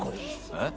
えっ？